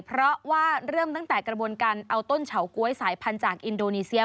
เพราะว่าเริ่มตั้งแต่กระบวนการเอาต้นเฉาก๊วยสายพันธุ์จากอินโดนีเซีย